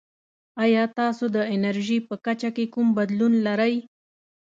ایا تاسو د انرژي په کچه کې کوم بدلون لرئ؟